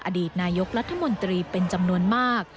อดีตนายกรัฐมนตรีเป็นจำนวนมาก